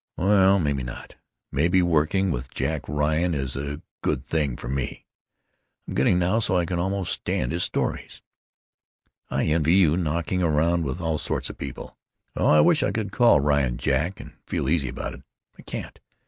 "Well, maybe not. Maybe working with Jack Ryan is a good thing for me. I'm getting now so I can almost stand his stories! I envy you, knocking around with all sorts of people. Oh, I wish I could call Ryan 'Jack' and feel easy about it. I can't.